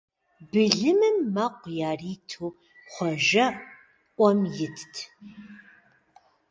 Былымым мэкъу яриту Хъуэжэ Ӏуэм итт.